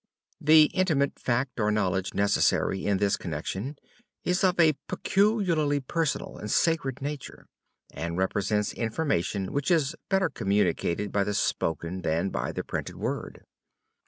The intimate fact knowledge necessary in this connection is of a peculiarly personal and sacred nature, and represents information which is better communicated by the spoken than by the printed word.